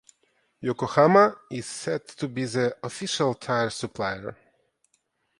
Yokohama is set to be the official tyre supplier.